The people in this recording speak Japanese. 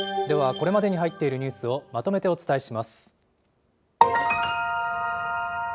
ではこれまでに入っているニュースをまとめてお伝えします。